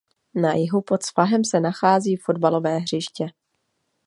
Na jihu pod svahem se nachází fotbalové hřiště.